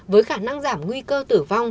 với khả năng giảm nguy cơ tử vong